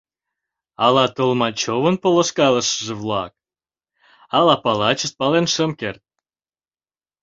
Ала Толмачёвын полышкалышыже-влак, ала палачышт — пален шым керт.